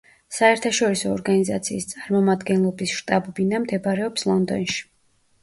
საერთაშორისო ორგანიზაციის წარმომადგენლობის შტაბ-ბინა მდებარეობს ლონდონში.